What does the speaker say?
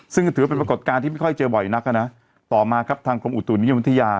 ซึ่งถือว่าเป็นปรากฏการณ์ที่ไม่ค่อยเจอบ่อยนักนะต่อมาครับทางกรมอุตุนิยมวิทยา